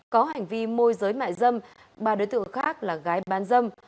có hành vi môi giới mại dâm ba đối tượng khác là gái bán dâm